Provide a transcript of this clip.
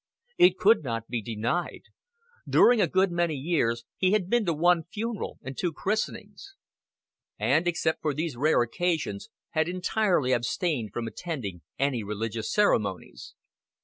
It could not be denied. During a good many years he had been to one funeral and two christenings; and, except for these rare occasions, had entirely abstained from attending any religious ceremonies.